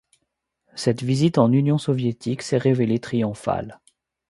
Cette visite en Union soviétique s'est révélée triomphale.